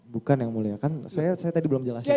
bukan yang mulia kan saya tadi belum jelasin